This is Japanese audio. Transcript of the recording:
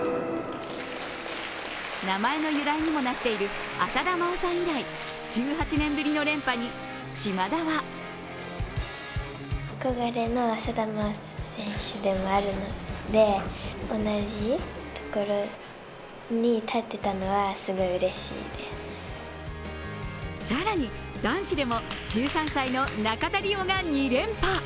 名前の由来にもなっている浅田真央さん以来、１８年ぶりの連覇に島田は更に男子でも１３歳の中田璃士が２連覇。